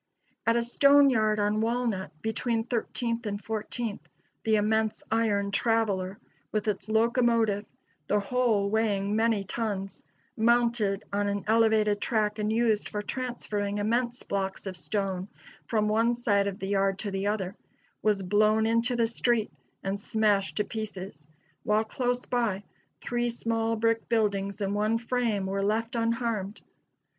At a stone yard on Walnut, between Thirteenth and Fourteenth, the immense iron "traveler," with its locomotive the whole weighing many tons mounted on an elevated track and used for transferring immense blocks of stone from one side of the yard to the other, was blown into the street and smashed to pieces, while close by, three small brick buildings and one frame were left unharmed.